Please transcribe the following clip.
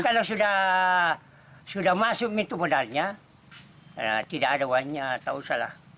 kalau sudah masuk itu modalnya tidak ada uangnya tak usah lah